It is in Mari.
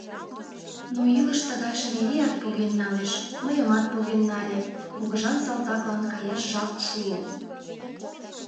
Но илыш тыгайжым эреак поген налеш - мыйымат поген нале: кугыжан салтаклан каяш жап шуо.